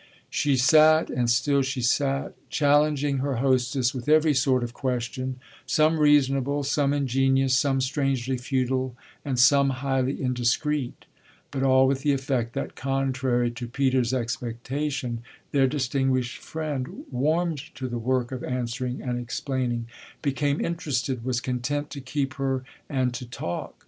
She sat and still she sat, challenging her hostess with every sort of question some reasonable, some ingenious, some strangely futile and some highly indiscreet; but all with the effect that, contrary to Peter's expectation, their distinguished friend warmed to the work of answering and explaining, became interested, was content to keep her and to talk.